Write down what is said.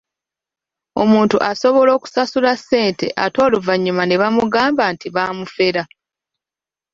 Omuntu asobola okusasula ssente ate oluvannyuma ne bamugamba nti baamufera.